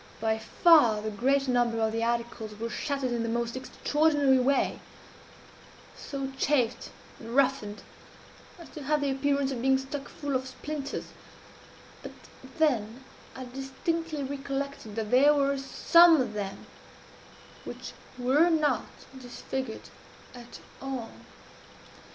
By far the greater number of the articles were shattered in the most extraordinary way so chafed and roughened as to have the appearance of being stuck full of splinters but then I distinctly recollected that there were some of them which were not disfigured at all.